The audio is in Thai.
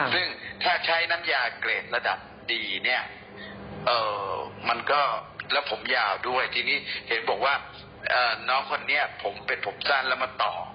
ซึ่งถ้าใช้น้ำยาเกรดระดับดีเนี่ยมันก็แล้วผมยาวด้วยทีนี้เห็นบอกว่าน้องคนนี้ผมเป็นผมสั้นแล้วมาต่อ